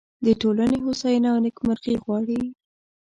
د ټولنې هوساینه او نیکمرغي غواړي.